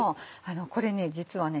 これね実はね